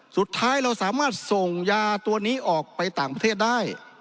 สุดท้ายเราสามารถส่งยาตัวนี้ออกไปต่างประเทศได้